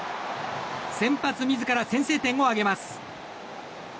先発自ら先制点を挙げます。